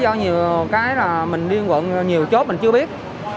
lý do nhiều cái là mình đi quận nhiều chốt mình chưa biết